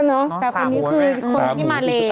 อันนี้คือคนที่มาเลมั้ย